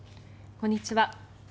こんにちは。